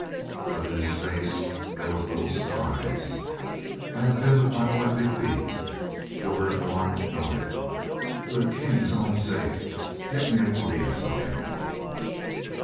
But in his face there was little surprise. "I have been with my Lord Digby." Gilbert Bourne nod ded. "For the King's own sake, get me audience of him."